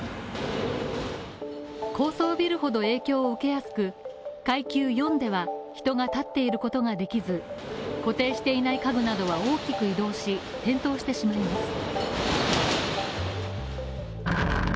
高層ビルほど影響を受けやすく階級４では人が立っていることができず固定していない家具などは大きく移動し、転倒してしまいます。